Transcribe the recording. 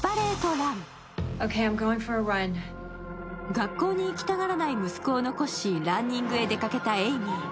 学校に行きたがらない息子を残しランニングに出かけたエイミー。